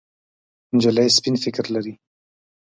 نجلۍ سپين فکر لري.